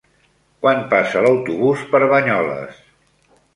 Quan passa l'autobús per Banyoles?